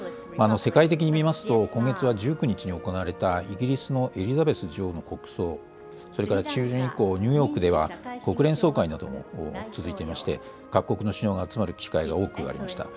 世界的に見ますと、今月は１９日に行われたイギリスのエリザベス女王の国葬、それから中旬以降、ニューヨークでは国連総会なども続いていまして、各国の首脳が集まる機会が多くありました。